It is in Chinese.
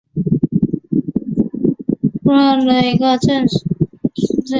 阿尔滕明斯特尔是德国巴伐利亚州的一个市镇。